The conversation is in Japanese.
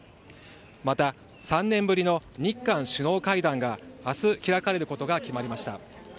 また、３年ぶりの日韓首脳会談が明日開かれることが決まりました。